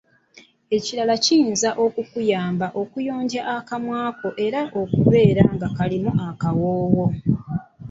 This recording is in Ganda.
Ekirala kiyinza okukuyamba okuyonja akamwa ko era okubeera nga kalimu akawoowo